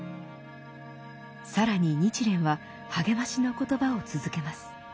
更に日蓮は励ましの言葉を続けます。